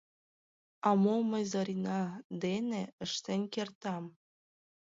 — А мом мый Зорина дене ыштен кертам!